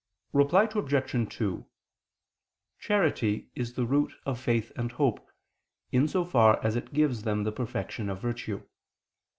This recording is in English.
Reply Obj. 2: Charity is the root of faith and hope, in so far as it gives them the perfection of virtue.